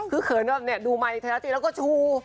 คือเขินแบบเนี่ยดูไมค์เท้าหน้าตีแล้วก็ชู